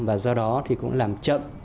và do đó cũng làm chậm